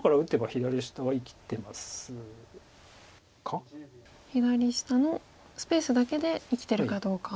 左下のスペースだけで生きてるかどうか。